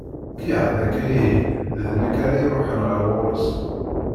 Kiɛad akka ihi, d nekk ara iruḥen ɣer ɣur-s.